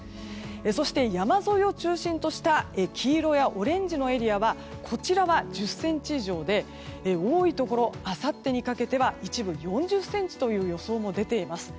そして、山沿いを中心とした黄色やオレンジのエリアはこちらは１０ｃｍ以上で多いところあさってにかけては一部４０ｃｍという予想も出ています。